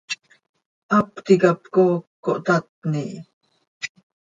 Hap ticap cooc cohtatni hi.